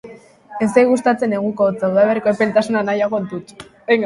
Ez zait gustatzen neguko hotza; udaberriko epeltasuna nahiago dut.